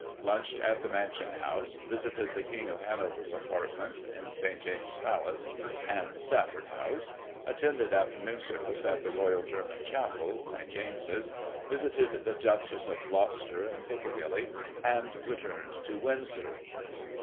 Lunched at the Mansion House, visited the King of Hanover's apartments in St James's Palace, and Stafford House; at tended afternoon service at the Royal German Chapel, St James's ; visited the Duchess of Gloucester, in Piccadilly, and returned to Windsor.